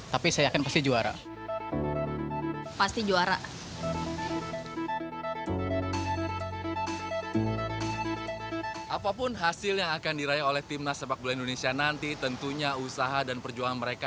tapi saya yakin pasti juara